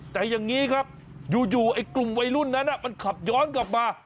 แต่อย่างนี้ครับอยู่ไอ้กลุ่มวัยรุ่นนั้นมันขับย้อนกลับมา